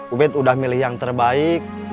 ubed udah milih yang terbaik